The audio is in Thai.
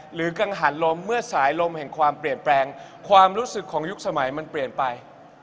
กังหันลมเมื่อสายลมแห่งความเปลี่ยนแปลงความรู้สึกของยุคสมัยมันเปลี่ยนไป